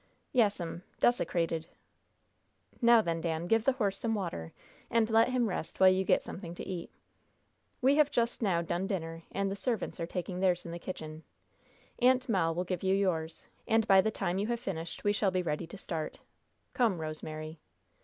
"Yes'm, desecrated." "Now then, Dan, give the horse some water, and let him rest while you get something to eat. We have just now done dinner, and the servants are taking theirs in the kitchen. Aunt Moll will give you yours, and by the time you have finished we shall be ready to start. Come, Rosemary."